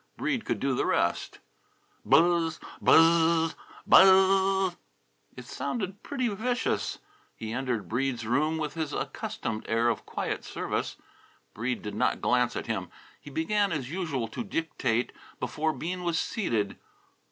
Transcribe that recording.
Breede could do the rest. "Buzz! Buzz z z z! Buzz z z z z!" It sounded pretty vicious. He entered Breede's room with his accustomed air of quiet service. Breede did not glance at him. He began, as usual, to dictate before Bean was seated.